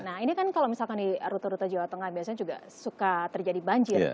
nah ini kan kalau misalkan di rute rute jawa tengah biasanya juga suka terjadi banjir